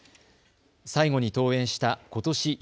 最後に登園したことし